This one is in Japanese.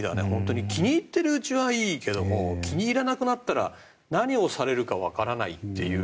気に入っているうちはいいけど気に入らなくなったら何をされるかわからないという。